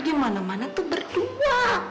di mana mana tuh berdua